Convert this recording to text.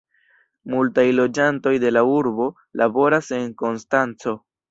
Multaj loĝantoj de la urbo laboras en Konstanco.